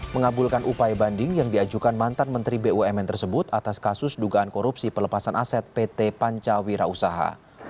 mengabulkan upaya banding yang diajukan mantan menteri bumn tersebut atas kasus dugaan korupsi pelepasan aset pt pancawira usaha